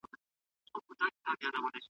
چي پر اړخ به راواړاوه مېرمني .